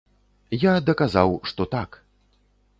Я даказаў, што так.